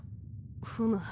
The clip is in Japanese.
ふむ。